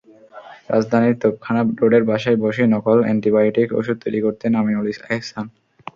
রাজধানীর তোপখানা রোডের বাসায় বসেই নকল অ্যান্টিবায়োটিক ওষুধ তৈরি করতেন আমিনুল এহসান।